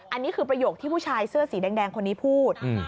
อันนี้คือประโยคที่ผู้ชายเสื้อสีแดงคนนี้พูด